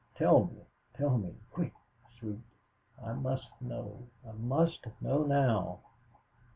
Tell me, tell me, quick, Sweet I must know, I must know now."